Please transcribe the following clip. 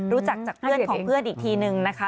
รู้จักจากเพื่อนของเพื่อนอีกทีนึงนะคะ